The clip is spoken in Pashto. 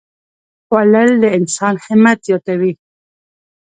خوړل د انسان همت زیاتوي